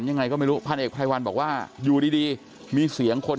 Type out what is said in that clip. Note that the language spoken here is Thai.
ยังไงก็ไม่รู้พันเอกไพรวัลบอกว่าอยู่ดีมีเสียงคน